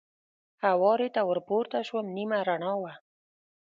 هوارې ته ور پورته شوم، نیمه رڼا وه.